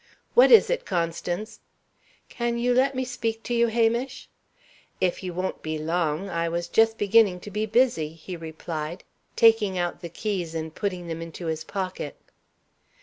"What is it, Constance?" "Can you let me speak to you, Hamish?" "If you won't be long. I was just beginning to be busy," he replied, taking out the keys and putting them into his pocket.